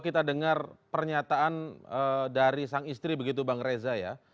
kita dengar pernyataan dari sang istri begitu bang reza ya